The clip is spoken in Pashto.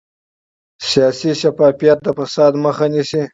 سیاسي شفافیت د فساد مخه نیسي